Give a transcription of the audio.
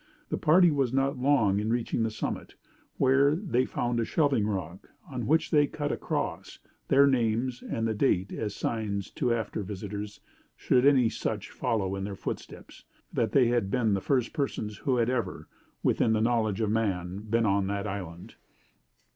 The party was not long in reaching the summit, where they found a shelving rock, on which they cut a cross, their names and the date as signs to after visitors, should any such follow in their footsteps, that they had been the first persons who had ever, within the knowledge of man, been on that island.